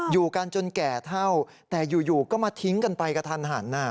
อยู่กันจนแก่เท่าแต่อยู่ก็มาทิ้งกันไปกระทันหัน